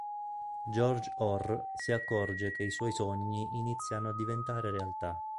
George Orr si accorge che i suoi sogni iniziano a diventare realtà.